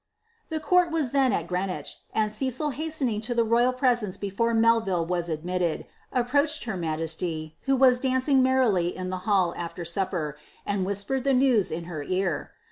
The court was then at Greenwich ; and Cecil hastening to the royd presence before Melville was admitted, approached her majesty, who wta dancing merrily in the hall after supper, and whispered the new* in bar ear.